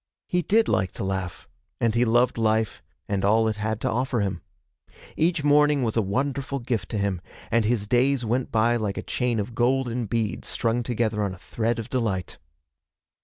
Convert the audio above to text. He did like to laugh, and he loved life and all it had to offer him. Each morning was a wonderful gift to him, and his days went by like a chain of golden beads strung together on a thread of delight.